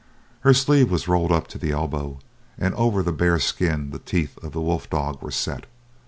Her sleeve was rolled up to the elbow, and over the bare skin the teeth of the wolf dog were set.